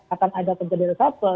akan ada terjadi reshuffle